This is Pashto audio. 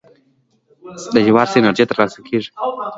د جوار دانه د انرژي لپاره وکاروئ